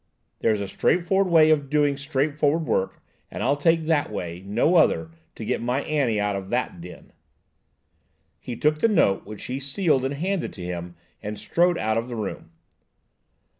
There's a straight forward way of doing straight forward work, and I'll take that way–no other–to get my Annie out of that den." He took the note, which she sealed and handed to him, and strode out of the room.